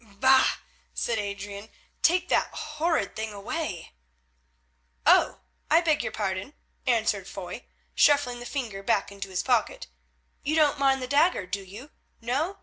"Bah!" said Adrian. "Take that horrid thing away." "Oh! I beg your pardon," answered Foy, shuffling the finger back into his pocket, "you don't mind the dagger, do you? No?